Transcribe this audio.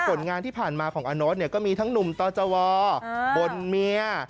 ผลงานที่ผ่านมาของอาโน๊ตก็มีทั้งหนุ่มต่อจวบ่นเมีย